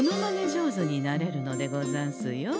上手になれるのでござんすよ。